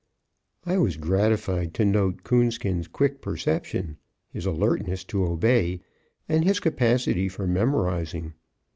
I was gratified to note Coonskin's quick perception, his alertness to obey, and his capacity for memorizing.